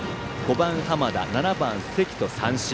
５番、濱田、７番、関と三振。